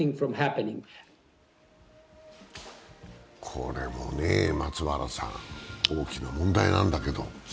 これも松原さん、大きな問題なんだけど。